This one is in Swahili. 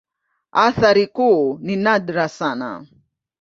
Athari kuu ni nadra sana.